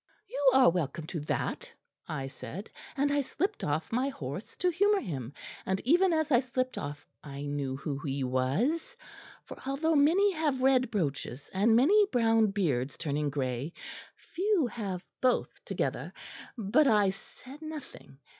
"'You are welcome to that,' I said, and I slipped off my horse, to humour him, and even as I slipped off I knew who he was, for although many have red brooches, and many brown beards turning grey, few have both together; but I said nothing.